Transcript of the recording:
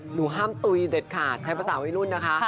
หนูห้ามตุ๋ยเด็ดขาดใช้ภาษาวัยรุ่นนะคะ